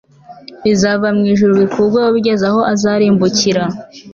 bizava mu ijuru bikugweho bigeze aho uzarimbukira